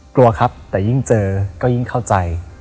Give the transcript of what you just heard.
กลัวครับแต่ยิ่งเจอก็ยิ่งเข้าใจ